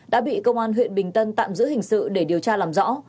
đã bị công an huyện bình tân tạm giữ hình sự để điều tra làm rõ